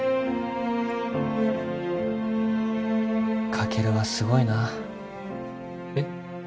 カケルはすごいなえっ？